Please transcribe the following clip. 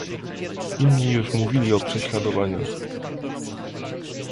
Inni już mówili o prześladowaniach